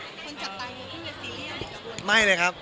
คนจับตาอยู่ที่มีเรื่องซีเรียสหรือเปล่า